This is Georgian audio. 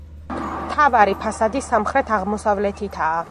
მთავარი ფასადი სამხრეთ აღმოსავლეთითაა.